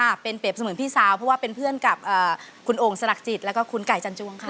เป็นเปรียบเสมือนพี่สาวเพราะว่าเป็นเพื่อนกับคุณโอ่งสลักจิตแล้วก็คุณไก่จันจวงค่ะ